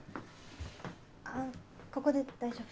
あここで大丈夫。